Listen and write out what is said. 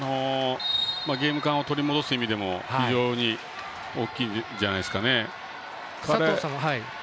ゲーム勘を取り戻す意味でも非常に大きいんじゃないですかね。